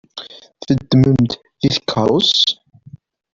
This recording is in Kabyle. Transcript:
Teddam-d deg tkeṛṛust?